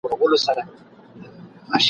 د هغو ورځو خواږه مي لا په خوله دي !.